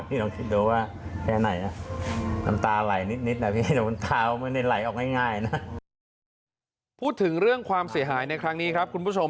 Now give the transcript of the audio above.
พี่นำคิดดูว่าแพ้ไหนนะ